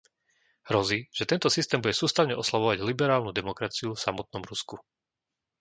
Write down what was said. Hrozí, že tento systém bude sústavne oslabovať liberálnu demokraciu v samotnom Rusku.